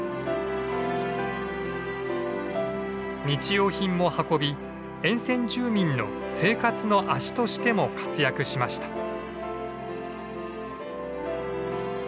日用品も運び沿線住民の生活の足としても活躍しました。